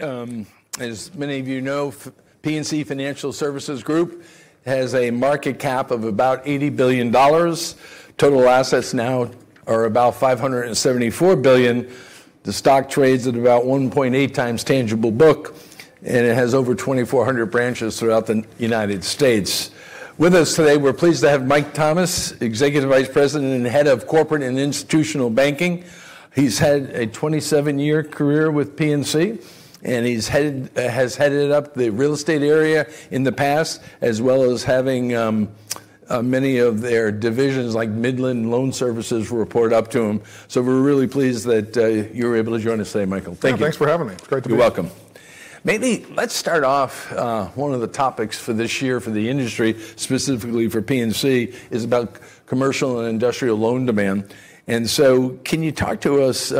As many of you know, The PNC Financial Services Group has a market cap of about $80 billion. Total assets now are about $574 billion. The stock trades at about 1.8x tangible book, and it has over 2,400 branches throughout the United States. With us today, we're pleased to have Mike Thomas, Executive Vice President and Head of Corporate & Institutional Banking. He's had a 27-year career with PNC, and he has headed up the real estate area in the past, as well as having many of their divisions like Midland Loan Services report up to him. We're really pleased that you were able to join us today, Michael. Thank you. Yeah, thanks for having me. It's great to be here. You're welcome. Maybe let's start off, one of the topics for this year for the industry, specifically for PNC, is about commercial and industrial loan demand. Can you talk to us,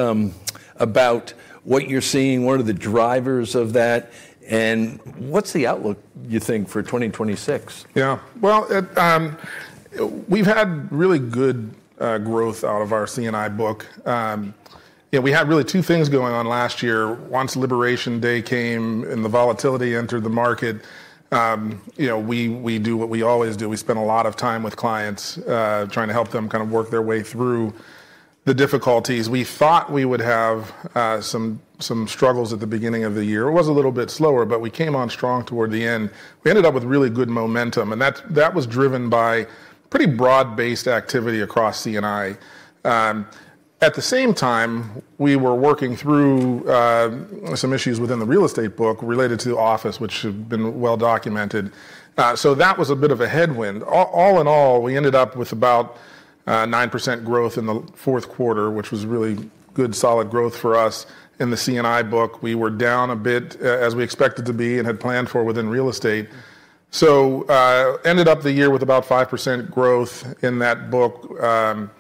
about what you're seeing, what are the drivers of that, and what's the outlook you think for 2026? Yeah. Well, we've had really good growth out of our C&I book. You know, we had really two things going on last year. Once liftoff day came and the volatility entered the market, you know, we do what we always do. We spend a lot of time with clients trying to help them kind of work their way through the difficulties. We thought we would have some struggles at the beginning of the year. It was a little bit slower, but we came on strong toward the end. We ended up with really good momentum, and that was driven by pretty broad-based activity across C&I. At the same time, we were working through some issues within the real estate book related to office, which have been well documented. That was a bit of a headwind. All in all, we ended up with about 9% growth in the fourth quarter, which was really good solid growth for us in the C&I book. We were down a bit, as we expected to be and had planned for within real estate. Ended up the year with about 5% growth in that book. And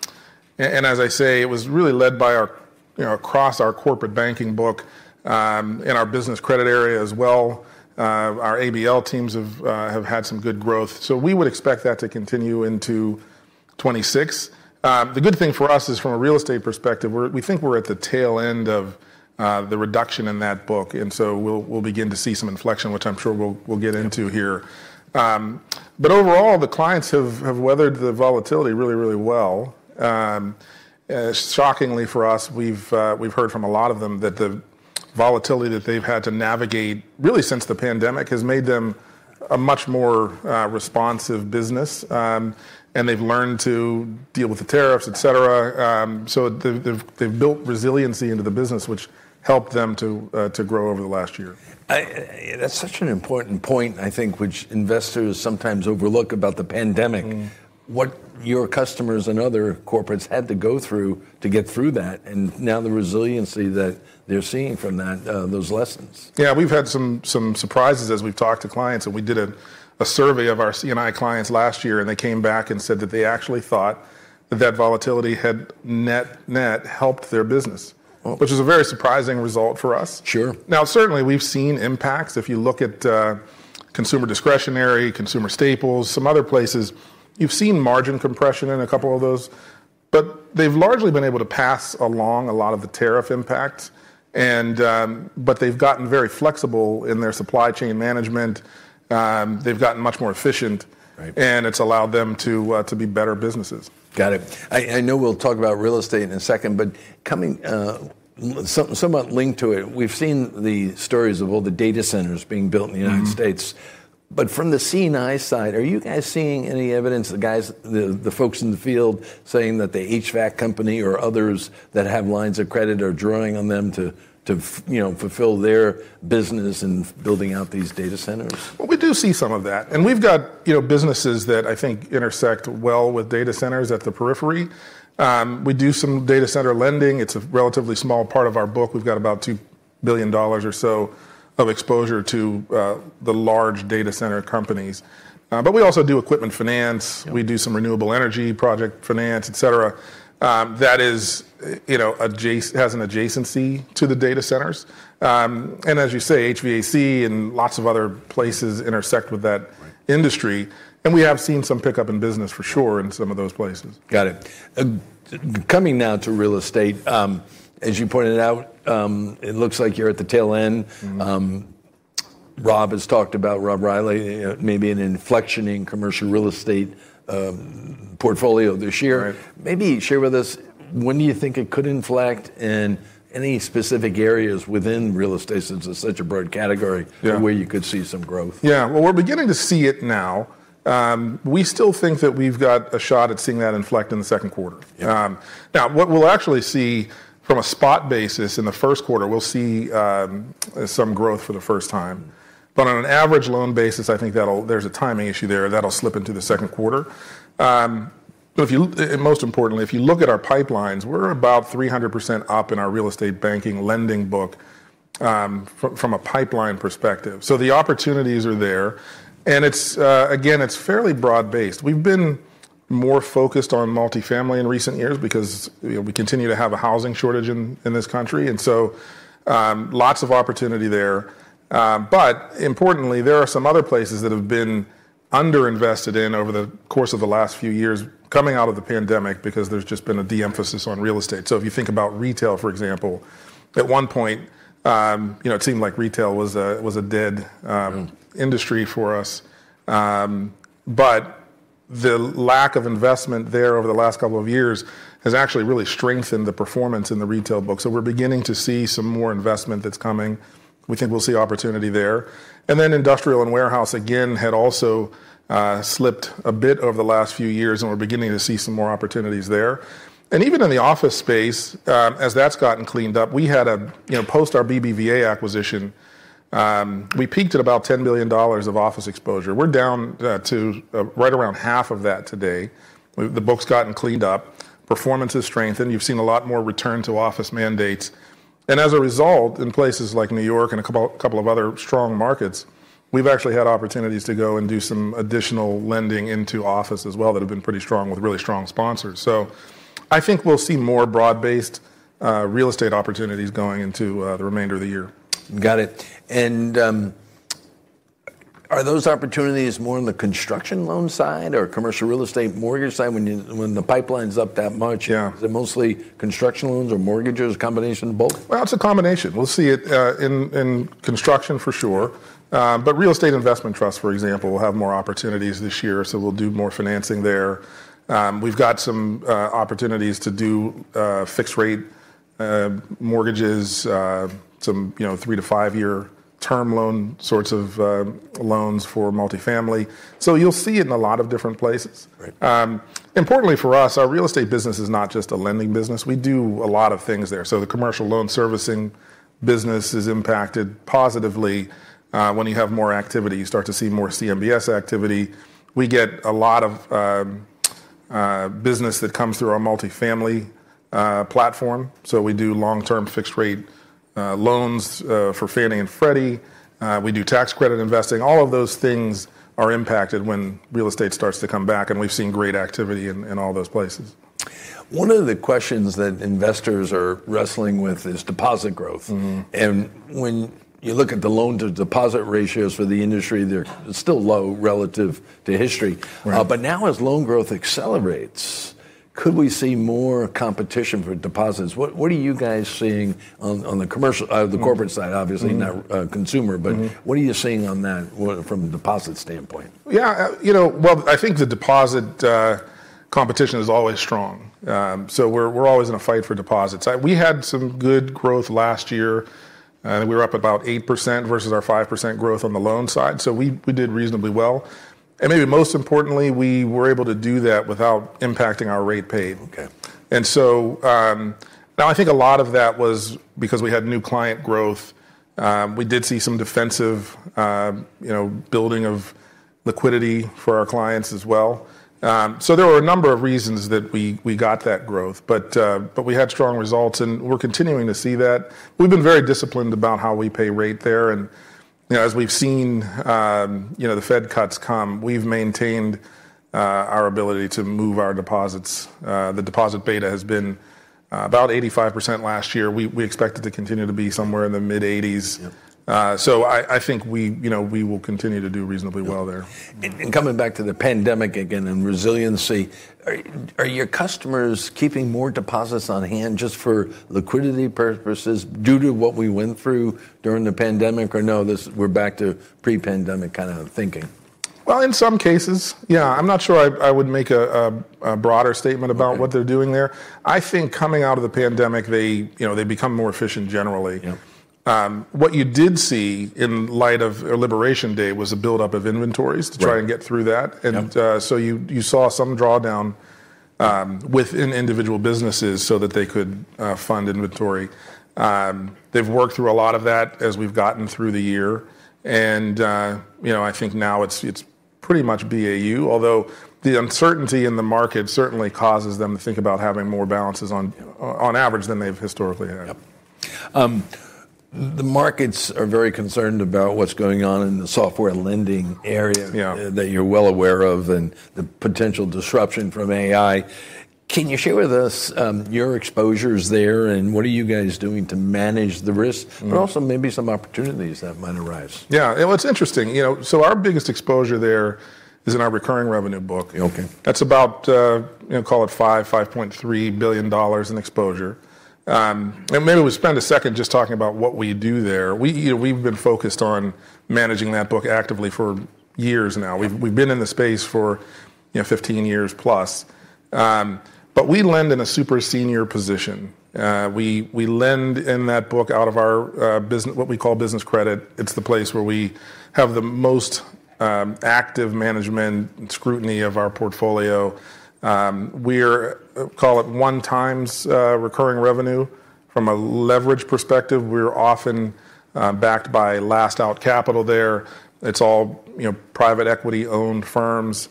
as I say, it was really led by our, you know, across our corporate banking book, in our business credit area as well. Our ABL teams have had some good growth. We would expect that to continue into 2026. The good thing for us is from a real estate perspective, we think we're at the tail end of the reduction in that book, and so we'll begin to see some inflection, which I'm sure we'll get into here. Overall, the clients have weathered the volatility really well. Shockingly for us, we've heard from a lot of them that the volatility that they've had to navigate really since the pandemic has made them a much more responsive business. They've learned to deal with the tariffs, et cetera. They've built resiliency into the business, which helped them to grow over the last year. That's such an important point, I think, which investors sometimes overlook about the pandemic. Mm. What your customers and other corporates had to go through to get through that, and now the resiliency that they're seeing from that, those lessons. Yeah, we've had some surprises as we've talked to clients, and we did a survey of our C&I clients last year, and they came back and said that they actually thought that that volatility had net helped their business. Oh which is a very surprising result for us. Sure. Now, certainly, we've seen impacts. If you look at consumer discretionary, consumer staples, some other places, you've seen margin compression in a couple of those. They've largely been able to pass along a lot of the tariff impacts. They've gotten very flexible in their supply chain management. They've gotten much more efficient. Right... it's allowed them to be better businesses. Got it. I know we'll talk about real estate in a second, but coming somewhat linked to it, we've seen the stories of all the data centers being built in the United States. Mm-hmm. From the C&I side, are you guys seeing any evidence, the guys, the folks in the field, saying that the HVAC company or others that have lines of credit are drawing on them to, you know, fulfill their business in building out these data centers? Well, we do see some of that, and we've got, you know, businesses that I think intersect well with data centers at the periphery. We do some data center lending. It's a relatively small part of our book. We've got about $2 billion or so of exposure to the large data center companies. We also do equipment finance. Yeah. We do some renewable energy project finance, et cetera, that is, you know, has an adjacency to the data centers. As you say, HVAC and lots of other places intersect with that. Right... industry, and we have seen some pickup in business for sure in some of those places. Got it. Coming now to real estate, as you pointed out, it looks like you're at the tail end. Mm-hmm. Rob has talked about, Rob Reilly, you know, maybe an inflection in commercial real estate portfolio this year. Right. Maybe share with us, when do you think it could inflect, and any specific areas within real estate, since it's such a broad category? Yeah Where you could see some growth? Yeah. Well, we're beginning to see it now. We still think that we've got a shot at seeing that inflect in the second quarter. Yeah. Now, what we'll actually see from a spot basis in the first quarter, we'll see some growth for the first time. On an average loan basis, I think there's a timing issue there. That'll slip into the second quarter. If you look at our pipelines, we're about 300% up in our real estate banking lending book, from a pipeline perspective. Most importantly, the opportunities are there, and it's, again, it's fairly broad-based. We've been more focused on multifamily in recent years because, you know, we continue to have a housing shortage in this country, and so, lots of opportunity there. Importantly, there are some other places that have been under-invested in over the course of the last few years coming out of the pandemic because there's just been a de-emphasis on real estate. If you think about retail, for example, at one point, it seemed like retail was a dead. Mm Industry for us. The lack of investment there over the last couple of years has actually really strengthened the performance in the retail book. We're beginning to see some more investment that's coming. We think we'll see opportunity there. Then industrial and warehouse again had also slipped a bit over the last few years and we're beginning to see some more opportunities there. Even in the office space, as that's gotten cleaned up, we had a, you know, post our BBVA acquisition, we peaked at about $10 million of office exposure. We're down to right around half of that today. The book's gotten cleaned up. Performance has strengthened. You've seen a lot more return to office mandates. As a result, in places like New York and a couple of other strong markets, we've actually had opportunities to go and do some additional lending into office as well that have been pretty strong with really strong sponsors. I think we'll see more broad-based real estate opportunities going into the remainder of the year. Got it. Are those opportunities more in the construction loan side or commercial real estate mortgage side when the pipeline's up that much? Yeah. Is it mostly construction loans or mortgages, combination of both? Well, it's a combination. We'll see it in construction for sure. Real estate investment trusts, for example, will have more opportunities this year, so we'll do more financing there. We've got some opportunities to do fixed rate mortgages, some, you know, three- to five-year term loan sorts of loans for multifamily. You'll see it in a lot of different places. Right. Importantly for us, our real estate business is not just a lending business. We do a lot of things there. The commercial loan servicing business is impacted positively when you have more activity. You start to see more CMBS activity. We get a lot of business that comes through our multifamily platform, so we do long-term fixed rate loans for Fannie and Freddie. We do tax credit investing. All of those things are impacted when real estate starts to come back, and we've seen great activity in all those places. One of the questions that investors are wrestling with is deposit growth. Mm. When you look at the loan-to-deposit ratios for the industry, they're still low relative to history. Right. Now as loan growth accelerates, could we see more competition for deposits? What are you guys seeing on the corporate side obviously? Mm not consumer- Mm What are you seeing on that from the deposit standpoint? Yeah, you know, well, I think the deposit competition is always strong. We're always in a fight for deposits. We had some good growth last year. We were up about 8% versus our 5% growth on the loan side, so we did reasonably well. Maybe most importantly, we were able to do that without impacting our rate paid. Okay. Now I think a lot of that was because we had new client growth. We did see some defensive, you know, building of liquidity for our clients as well. There were a number of reasons that we got that growth. But we had strong results, and we're continuing to see that. We've been very disciplined about how we pay rate there. You know, as we've seen, you know, the Fed cuts come, we've maintained our ability to move our deposits. The deposit beta has been about 85% last year. We expect it to continue to be somewhere in the mid-80s. Yeah. I think we, you know, we will continue to do reasonably well there. Yeah. Coming back to the pandemic again and resiliency, are your customers keeping more deposits on hand just for liquidity purposes due to what we went through during the pandemic? Or no, this, we're back to pre-pandemic kind of thinking? Well, in some cases, yeah. I'm not sure I would make a broader statement about. Okay what they're doing there. I think coming out of the pandemic, they, you know, they become more efficient generally. Yeah. What you did see in light of liftoff day was a buildup of inventories. Right to try and get through that. Yeah. You saw some drawdown within individual businesses so that they could fund inventory. They've worked through a lot of that as we've gotten through the year. You know, I think now it's pretty much BAU, although the uncertainty in the market certainly causes them to think about having more balances on average than they've historically had. Yep. The markets are very concerned about what's going on in the software lending area. Yeah... that you're well aware of and the potential disruption from AI. Can you share with us, your exposures there, and what are you guys doing to manage the risk? Mm. Also maybe some opportunities that might arise. Yeah. Well, it's interesting. You know, so our biggest exposure there is in our recurring revenue book. Okay. That's about, you know, call it $5.3 billion in exposure. Maybe we spend a second just talking about what we do there. We've been focused on managing that book actively for years now. We've been in the space for, you know, 15 years+. We lend in a super senior position. We lend in that book out of our business, what we call business credit. It's the place where we have the most active management scrutiny of our portfolio. We call it 1x recurring revenue. From a leverage perspective, we're often backed by last out capital there. It's all, you know, private equity-owned firms.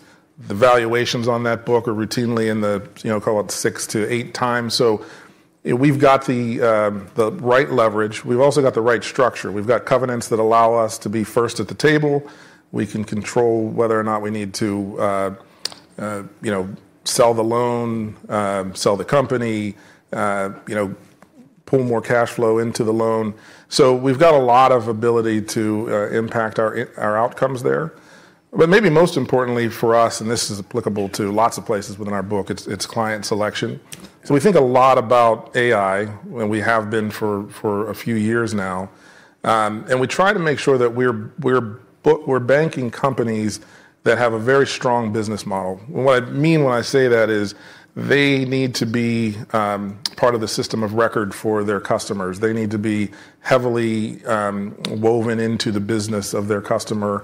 The valuations on that book are routinely in the, you know, call it 6x-8x. We've got the right leverage. We've also got the right structure. We've got covenants that allow us to be first at the table. We can control whether or not we need to, you know, sell the loan, sell the company. You know, pull more cash flow into the loan. We've got a lot of ability to impact our outcomes there. Maybe most importantly for us, and this is applicable to lots of places within our book, it's client selection. We think a lot about AI, and we have been for a few years now. We try to make sure that we're banking companies that have a very strong business model. What I mean when I say that is, they need to be part of the system of record for their customers. They need to be heavily woven into the business of their customer.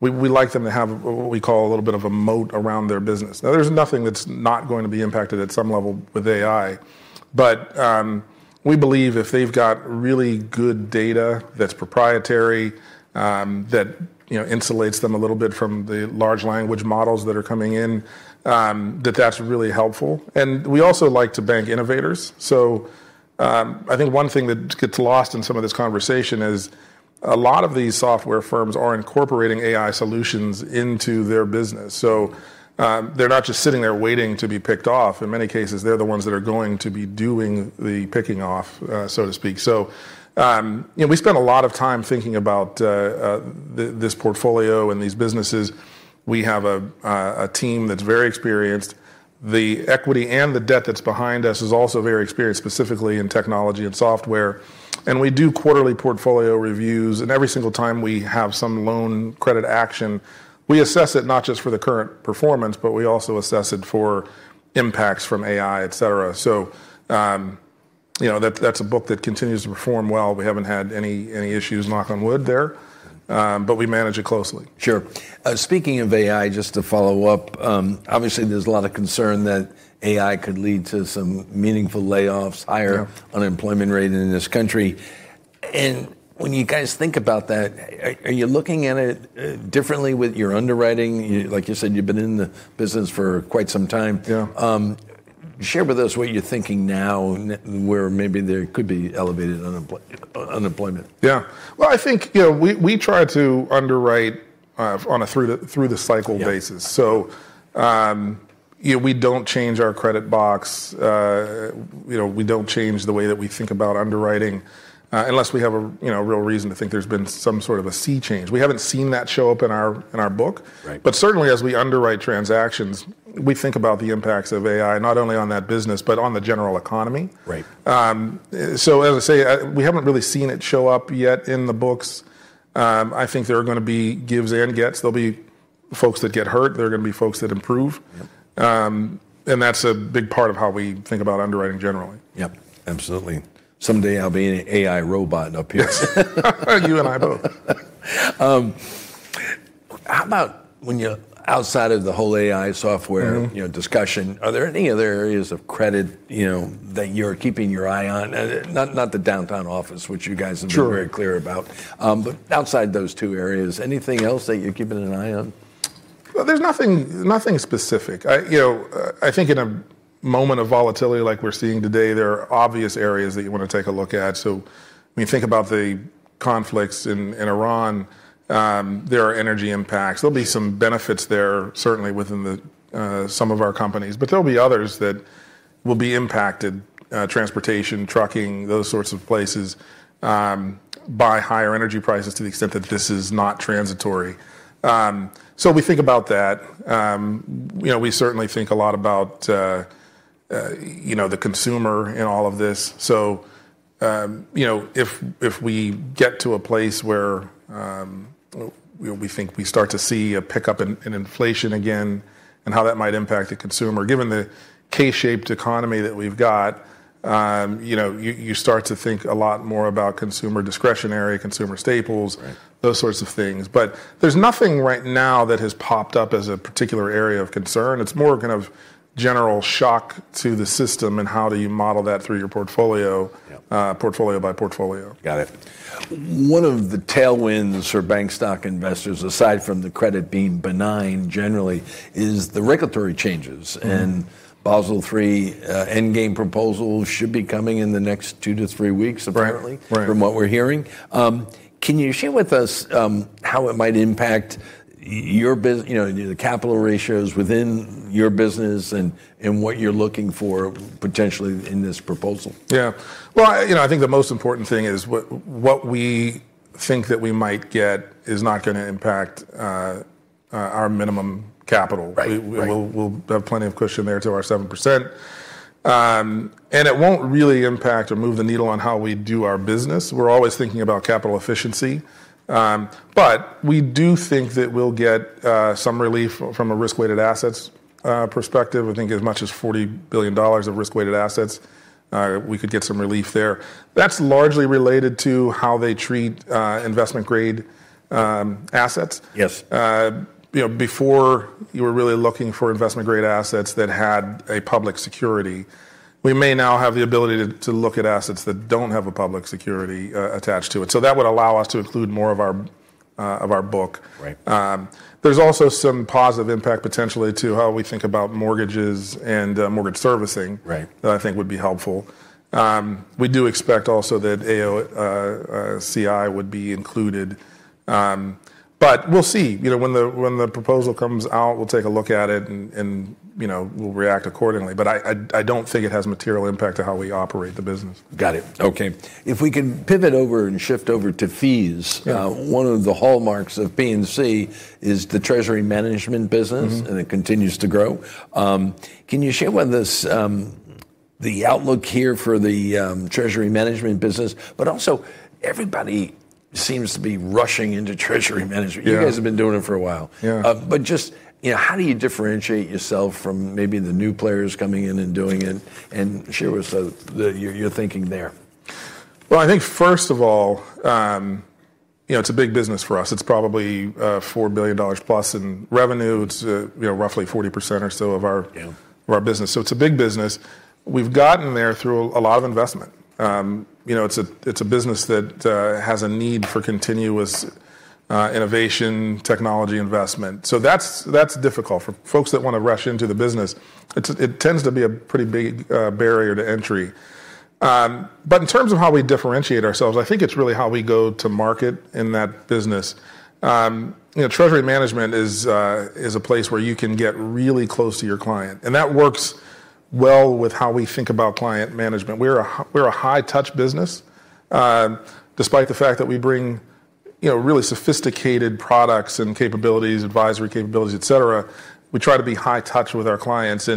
We like them to have what we call a little bit of a moat around their business. Now, there's nothing that's not going to be impacted at some level with AI. We believe if they've got really good data that's proprietary, that you know insulates them a little bit from the large language models that are coming in, that that's really helpful. We also like to bank innovators. I think one thing that gets lost in some of this conversation is a lot of these software firms are incorporating AI solutions into their business. They're not just sitting there waiting to be picked off. In many cases, they're the ones that are going to be doing the picking off, so to speak. We spend a lot of time thinking about this portfolio and these businesses. We have a team that's very experienced. The equity and the debt that's behind us is also very experienced, specifically in technology and software. We do quarterly portfolio reviews. Every single time we have some loan credit action, we assess it not just for the current performance, but we also assess it for impacts from AI, et cetera. That's a book that continues to perform well. We haven't had any issues, knock on wood, there. We manage it closely. Sure. Speaking of AI, just to follow up, obviously there's a lot of concern that AI could lead to some meaningful layoffs. Yeah Higher unemployment rate in this country. When you guys think about that, are you looking at it differently with your underwriting? Like you said, you've been in the business for quite some time. Yeah. Share with us what you're thinking now where maybe there could be elevated unemployment? Yeah. Well, I think, you know, we try to underwrite on a through-the-cycle basis. Yeah. you know, we don't change our credit box. you know, we don't change the way that we think about underwriting, unless we have a you know, real reason to think there's been some sort of a sea change. We haven't seen that show up in our book. Right. Certainly as we underwrite transactions, we think about the impacts of AI, not only on that business, but on the general economy. Right. As I say, we haven't really seen it show up yet in the books. I think there are gonna be gives and gets. There'll be folks that get hurt, there are gonna be folks that improve. Yeah. That's a big part of how we think about underwriting generally. Yep. Absolutely. Someday I'll be an AI robot up here. You and I both. How about when you're outside of the whole AI software? Mm-hmm you know, discussion, are there any other areas of credit, you know, that you're keeping your eye on? Not the downtown office, which you guys have- Sure Been very clear about. Outside those two areas, anything else that you're keeping an eye on? Well, there's nothing specific. You know, I think in a moment of volatility like we're seeing today, there are obvious areas that you wanna take a look at. When you think about the conflicts in Iran, there are energy impacts. There'll be some benefits there, certainly within some of our companies. There'll be others that will be impacted, transportation, trucking, those sorts of places, by higher energy prices to the extent that this is not transitory. We think about that. You know, we certainly think a lot about you know, the consumer in all of this. If we get to a place where you know, we think we start to see a pickup in inflation again, and how that might impact the consumer. Given the K-shaped economy that we've got, you know, you start to think a lot more about consumer discretionary, consumer staples. Right Those sorts of things. There's nothing right now that has popped up as a particular area of concern. It's more kind of general shock to the system and how do you model that through your portfolio. Yep portfolio by portfolio. Got it. One of the tailwinds for bank stock investors, aside from the credit being benign generally, is the regulatory changes. Mm-hmm. Basel III endgame proposal should be coming in the next 2- weeks, apparently. Right. From what we're hearing. Can you share with us how it might impact your, you know, the capital ratios within your business, and what you're looking for potentially in this proposal? Yeah. Well, you know, I think the most important thing is what we think that we might get is not gonna impact our minimum capital. Right. Right. We'll have plenty of cushion there to our 7%. It won't really impact or move the needle on how we do our business. We're always thinking about capital efficiency. We do think that we'll get some relief from a risk-weighted assets perspective. I think as much as $40 billion of risk-weighted assets we could get some relief there. That's largely related to how they treat investment grade assets. Yes. You know, before you were really looking for investment grade assets that had a public security. We may now have the ability to look at assets that don't have a public security attached to it. That would allow us to include more of our book. Right. There's also some positive impact potentially to how we think about mortgages and mortgage servicing. Right... that I think would be helpful. We do expect also that AOCI and C&I would be included. But we'll see. You know, when the proposal comes out, we'll take a look at it and, you know, we'll react accordingly. But I don't think it has a material impact to how we operate the business. Got it. Okay. If we can pivot over and shift over to fees. Yeah. One of the hallmarks of PNC is the treasury management business. Mm-hmm. It continues to grow. Can you share with us, the outlook here for the, treasury management business? Also, everybody seems to be rushing into treasury management. Yeah. You guys have been doing it for a while. Yeah. Just, you know, how do you differentiate yourself from maybe the new players coming in and doing it, and share with us your thinking there? Well, I think first of all, you know, it's a big business for us. It's probably $4 billion plus in revenue. It's you know, roughly 40% or so of our- Yeah... of our business. It's a big business. We've gotten there through a lot of investment. You know, it's a business that has a need for continuous innovation, technology investment. That's difficult for folks that want to rush into the business. It tends to be a pretty big barrier to entry. In terms of how we differentiate ourselves, I think it's really how we go to market in that business. You know, treasury management is a place where you can get really close to your client, and that works well with how we think about client management. We're a high touch business. Despite the fact that we bring, you know, really sophisticated products and capabilities, advisory capabilities, et cetera, we try to be high touch with our clients.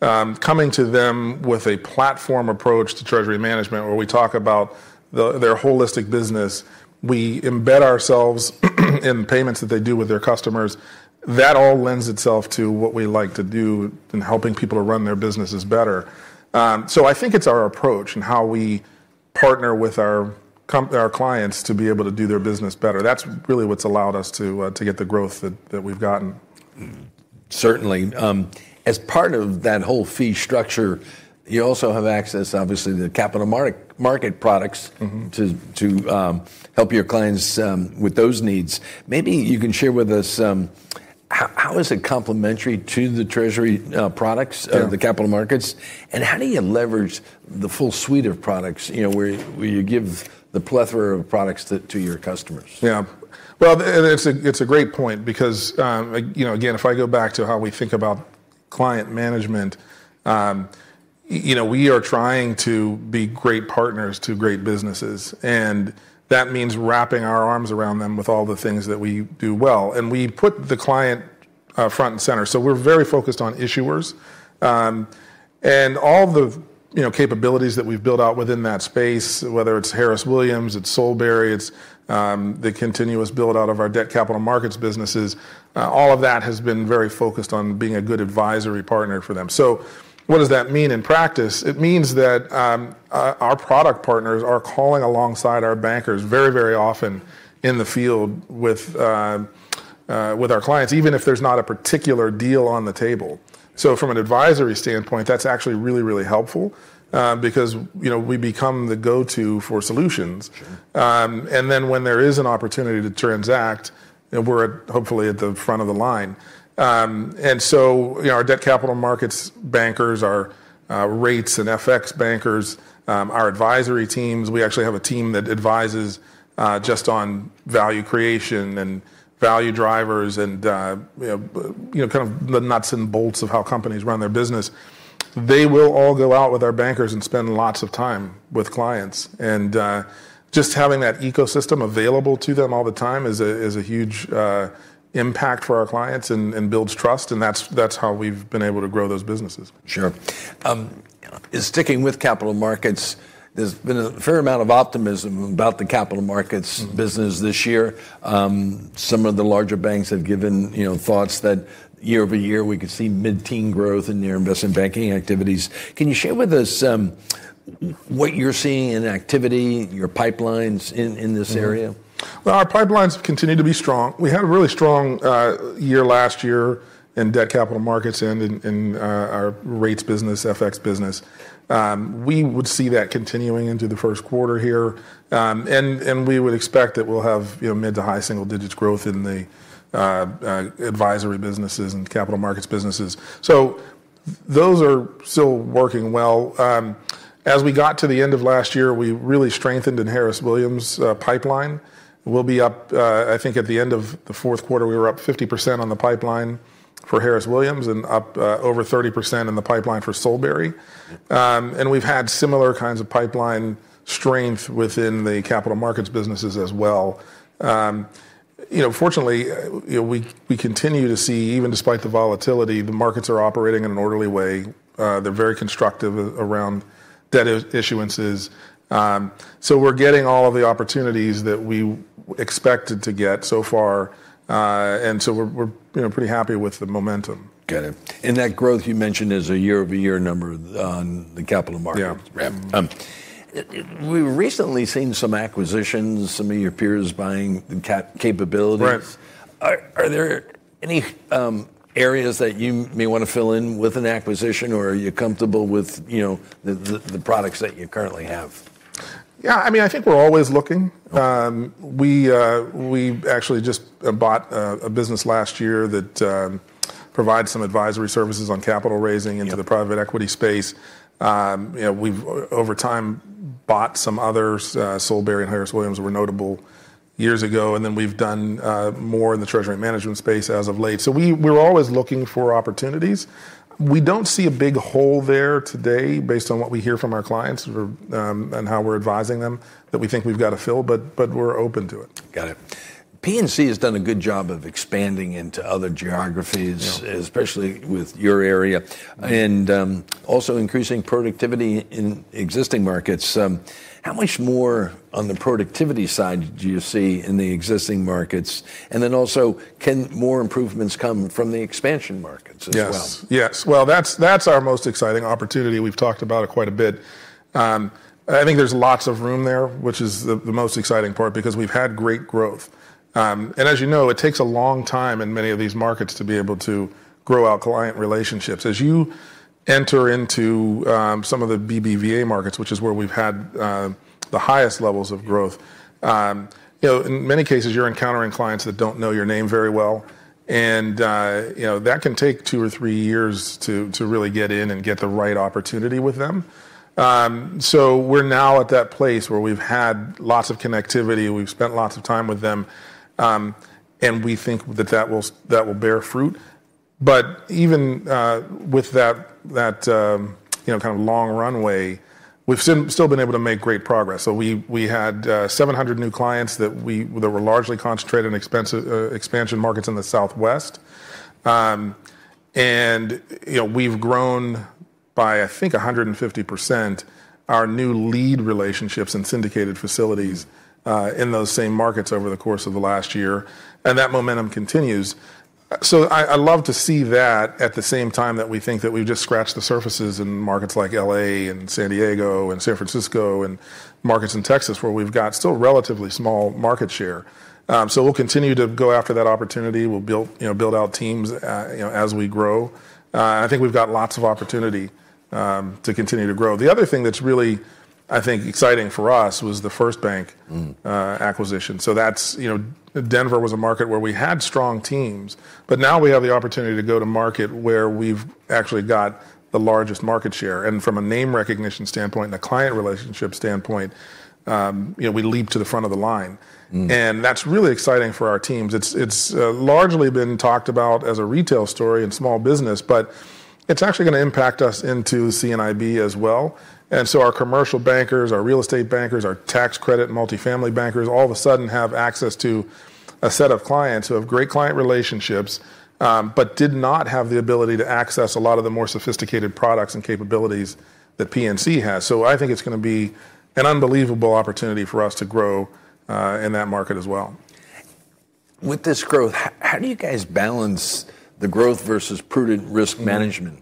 Coming to them with a platform approach to treasury management where we talk about their holistic business, we embed ourselves in payments that they do with their customers. That all lends itself to what we like to do in helping people to run their businesses better. I think it's our approach and how we partner with our clients to be able to do their business better. That's really what's allowed us to get the growth that we've gotten. Certainly. As part of that whole fee structure, you also have access, obviously, to capital market products. Mm-hmm... to help your clients with those needs. Maybe you can share with us how is it complementary to the treasury products? Yeah the capital markets, and how do you leverage the full suite of products, you know, where you give the plethora of products to your customers? Yeah. Well, it's a great point because, like, you know, again, if I go back to how we think about client management, you know, we are trying to be great partners to great businesses, and that means wrapping our arms around them with all the things that we do well. We put the client front and center. We're very focused on issuers. All the, you know, capabilities that we've built out within that space, whether it's Harris Williams, it's Solebury, it's the continuous build out of our debt capital markets businesses, all of that has been very focused on being a good advisory partner for them. What does that mean in practice? It means that our product partners are calling alongside our bankers very, very often in the field with our clients, even if there's not a particular deal on the table. From an advisory standpoint, that's actually really, really helpful, because you know, we become the go-to for solutions. Sure. When there is an opportunity to transact, then we're hopefully at the front of the line. You know, our debt capital markets bankers, our rates and FX bankers, our advisory teams, we actually have a team that advises just on value creation and value drivers and you know kind of the nuts and bolts of how companies run their business. They will all go out with our bankers and spend lots of time with clients, just having that ecosystem available to them all the time is a huge impact for our clients and builds trust, and that's how we've been able to grow those businesses. Sure. Sticking with capital markets, there's been a fair amount of optimism about the capital markets. Mm-hmm business this year. Some of the larger banks have given, you know, thoughts that year-over-year we could see mid-teen growth in your investment banking activities. Can you share with us, what you're seeing in activity, your pipelines in this area? Well, our pipelines continue to be strong. We had a really strong year last year in debt capital markets and in our rates business, FX business. We would see that continuing into the first quarter here. We would expect that we'll have, you know, mid to high single digits growth in the advisory businesses and capital markets businesses. Those are still working well. As we got to the end of last year, we really strengthened in Harris Williams' pipeline. We'll be up, I think at the end of the fourth quarter, we were up 50% on the pipeline for Harris Williams and up over 30% in the pipeline for Solebury. We've had similar kinds of pipeline strength within the capital markets businesses as well. You know, fortunately, you know, we continue to see, even despite the volatility, the markets are operating in an orderly way. They're very constructive around debt issuances. We're getting all of the opportunities that we expected to get so far. We're, you know, pretty happy with the momentum. Got it. That growth you mentioned is a year-over-year number on the capital markets. Yeah. Yeah. We've recently seen some acquisitions, some of your peers buying capabilities. Right. Are there any areas that you may want to fill in with an acquisition, or are you comfortable with, you know, the products that you currently have? Yeah, I mean, I think we're always looking. We actually just bought a business last year that provides some advisory services on capital raising. Yeah into the private equity space. You know, we've over time bought some others, Solebury and Harris Williams were notable years ago, and then we've done more in the treasury management space as of late. We're always looking for opportunities. We don't see a big hole there today based on what we hear from our clients and how we're advising them, that we think we've got to fill, but we're open to it. Got it. PNC has done a good job of expanding into other geographies. Yeah especially with your area. Right. Also increasing productivity in existing markets. How much more on the productivity side do you see in the existing markets? Can more improvements come from the expansion markets as well? Yes. Well, that's our most exciting opportunity. We've talked about it quite a bit. I think there's lots of room there, which is the most exciting part because we've had great growth. As you know, it takes a long time in many of these markets to be able to grow our client relationships. As you enter into some of the BBVA markets, which is where we've had the highest levels of growth, you know, in many cases you're encountering clients that don't know your name very well, and you know, that can take two or three years to really get in and get the right opportunity with them. We're now at that place where we've had lots of connectivity, we've spent lots of time with them, and we think that will bear fruit. Even with that, you know, kind of long runway, we've still been able to make great progress. We had 700 new clients that were largely concentrated in expansive expansion markets in the Southwest. We've grown by, I think, 150% our new lead relationships and syndicated facilities in those same markets over the course of the last year, and that momentum continues. I love to see that at the same time that we think that we've just scratched the surfaces in markets like L.A. and San Diego and San Francisco and markets in Texas where we've got still relatively small market share. We'll continue to go after that opportunity. We'll build, you know, build out teams, you know, as we grow. I think we've got lots of opportunity to continue to grow. The other thing that's really, I think, exciting for us was the FirstBank- Mm... acquisition. That's Denver was a market where we had strong teams, but now we have the opportunity to go to market where we've actually got the largest market share. From a name recognition standpoint and a client relationship standpoint, we leap to the front of the line. Mm. That's really exciting for our teams. It's largely been talked about as a retail story and small business, but it's actually gonna impact us into C&IB as well. Our commercial bankers, our real estate bankers, our tax credit, multifamily bankers, all of a sudden have access to a set of clients who have great client relationships, but did not have the ability to access a lot of the more sophisticated products and capabilities that PNC has. I think it's gonna be an unbelievable opportunity for us to grow in that market as well. With this growth, how do you guys balance the growth versus prudent risk management?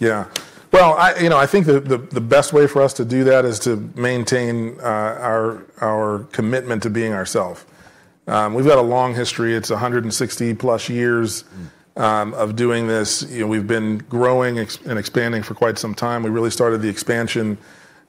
Yeah. Well, you know, I think the best way for us to do that is to maintain our commitment to being ourselves. We've got a long history. It's 160-plus years. Mm of doing this. You know, we've been growing and expanding for quite some time. We really started the expansion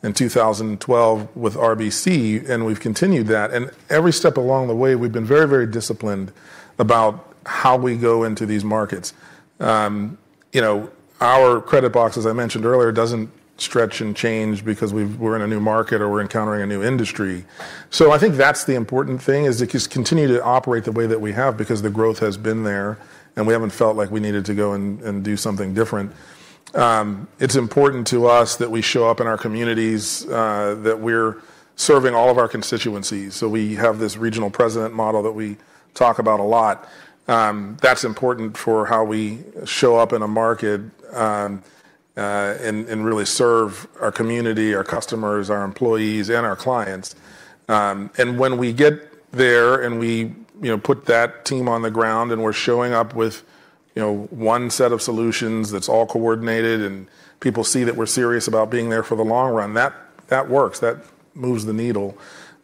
in 2012 with RBC, and we've continued that. Every step along the way, we've been very disciplined about how we go into these markets. You know, our credit box, as I mentioned earlier, doesn't stretch and change because we're in a new market or we're encountering a new industry. I think that's the important thing, is to just continue to operate the way that we have because the growth has been there, and we haven't felt like we needed to go and do something different. It's important to us that we show up in our communities, that we're serving all of our constituencies. We have this regional president model that we talk about a lot. That's important for how we show up in a market, and really serve our community, our customers, our employees, and our clients. When we get there and we, you know, put that team on the ground and we're showing up with, you know, one set of solutions that's all coordinated and people see that we're serious about being there for the long run, that works, that moves the needle.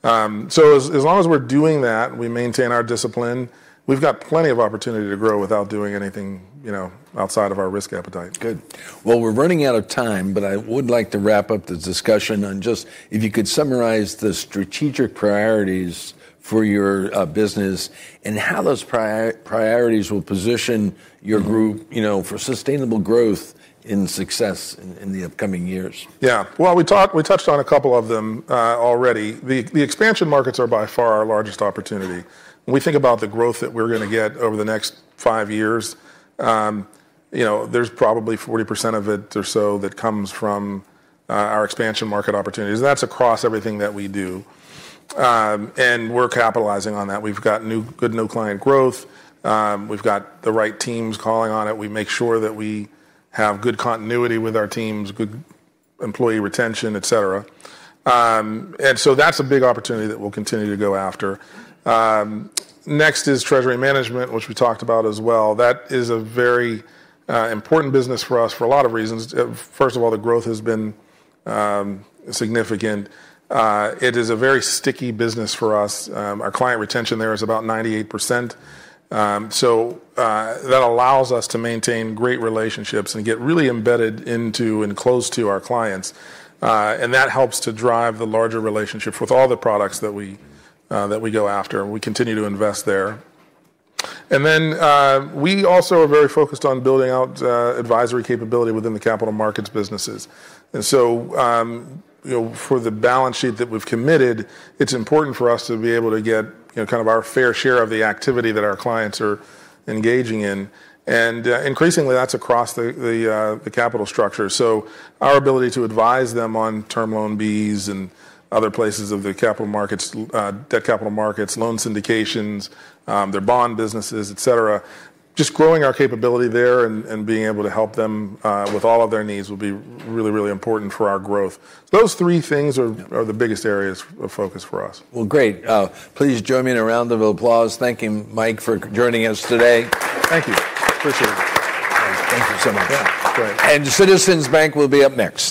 As long as we're doing that, we maintain our discipline, we've got plenty of opportunity to grow without doing anything, you know, outside of our risk appetite. Good. Well, we're running out of time, but I would like to wrap up the discussion on just if you could summarize the strategic priorities for your business and how those priorities will position your group. Mm-hmm You know, for sustainable growth and success in the upcoming years. Yeah. Well, we talked, we touched on a couple of them, already. The expansion markets are by far our largest opportunity. When we think about the growth that we're gonna get over the next five years, you know, there's probably 40% of it or so that comes from our expansion market opportunities, and that's across everything that we do. We're capitalizing on that. We've got good new client growth. We've got the right teams calling on it. We make sure that we have good continuity with our teams, good employee retention, et cetera. That's a big opportunity that we'll continue to go after. Next is treasury management, which we talked about as well. That is a very important business for us for a lot of reasons. First of all, the growth has been significant. It is a very sticky business for us. Our client retention there is about 98%. That allows us to maintain great relationships and get really embedded into and close to our clients. That helps to drive the larger relationships with all the products that we go after, and we continue to invest there. We also are very focused on building out advisory capability within the capital markets businesses. You know, for the balance sheet that we've committed, it's important for us to be able to get you know, kind of our fair share of the activity that our clients are engaging in. Increasingly that's across the capital structure. Our ability to advise them on Term Loan B and other places of the capital markets, debt capital markets, loan syndications, their bond businesses, et cetera, just growing our capability there and being able to help them with all of their needs will be really, really important for our growth. Those three things are the biggest areas of focus for us. Well, great. Please join me in a round of applause thanking Mike for joining us today. Thank you. Appreciate it. Thank you so much. Yeah. It's great. Citizens Bank will be up next.